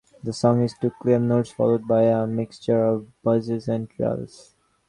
The song is two clear notes followed by a mixture of buzzes and trills.